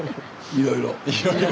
いろいろ。